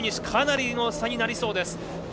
かなりの差になりそうです。